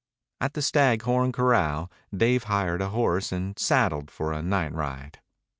At the Stag Horn corral Dave hired a horse and saddled for a night ride.